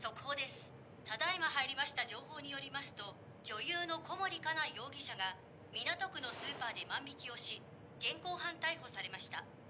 ただ今入りました情報によりますと女優の小森かな容疑者が港区のスーパーで万引をし現行犯逮捕されました。